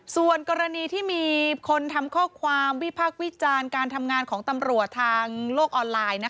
ส่วนกรณีที่มีคนทำข้อความวิพักษ์วิจารณ์การทำงานของตำรวจทางโลกออนไลน์